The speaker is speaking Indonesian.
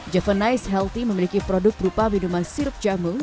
javanize healthy memiliki produk berupa minuman sirup jamu